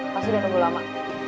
pastu baru dengu lama